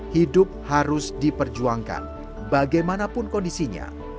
hidup harus diperjuangkan bagaimanapun kondisinya